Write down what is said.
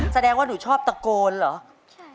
แสดงว่าหนูชอบตะโกนเหรอ